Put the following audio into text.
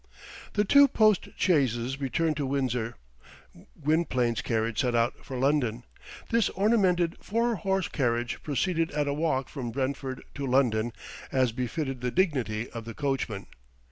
The two postchaises returned to Windsor. Gwynplaine's carriage set out for London. This ornamented four horse carriage proceeded at a walk from Brentford to London, as befitted the dignity of the coachman.